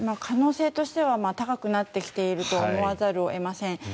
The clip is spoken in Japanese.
可能性としては高くなってきていると思わざるを得ません。